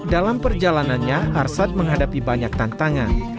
dalam perjalanannya arshad menghadapi banyak tantangan